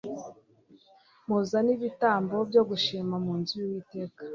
muzane ibitambo byo gushima mu nzu y'uwiteka